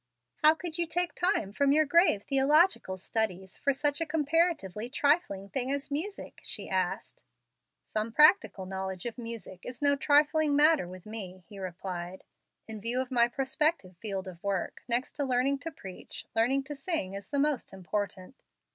"How could you take time from your grave theological studies for such a comparatively trifling thing as music?" she asked. "Some practical knowledge of music is no trifling matter with me," he replied. "In view of my prospective field of work, next to learning to preach, learning to sing is the most important.